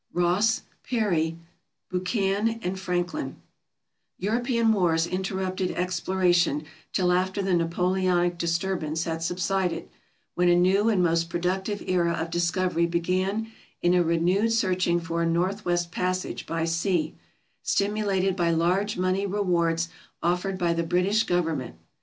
Ross, Parry, Buchan, and Franklin European wars interrupted exploration till after the Na poleonic disturbance had subsided, when a new and most pro ductive era of discovery began in a renewed searching for a northwest passage by sea, stimulated by large money rewards offered by the British government.